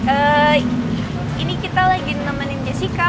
eh ini kita lagi nemenin jessica